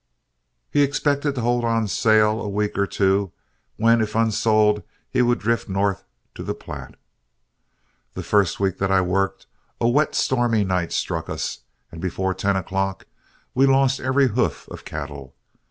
He expected to hold on sale a week or two, when if unsold he would drift north to the Platte. The first week that I worked, a wet stormy night struck us, and before ten o'clock we lost every hoof of cattle.